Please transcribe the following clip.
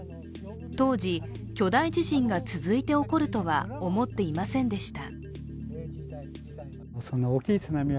当時、巨大地震が続いて起こるとは思っていませんでした。